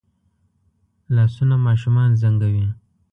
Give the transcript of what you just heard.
لاسونه ماشومان زنګوي